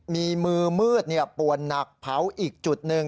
มีมือมืดป่วนหนักเผาอีกจุดหนึ่ง